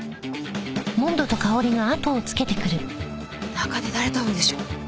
中で誰と会うんでしょう？